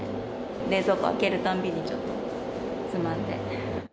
冷蔵庫開けるたんびに、ちょっとつまんで。